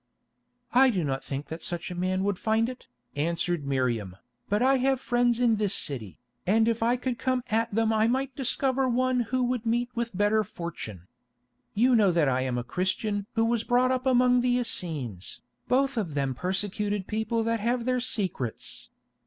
"I do not think that such a man would find it," answered Miriam, "but I have friends in this city, and if I could come at them I might discover one who would meet with better fortune. You know that I am a Christian who was brought up among the Essenes, both of them persecuted people that have their secrets.